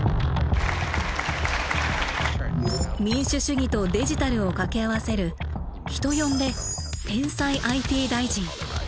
民主主義とデジタルを掛け合わせる人呼んで「天才ＩＴ大臣」。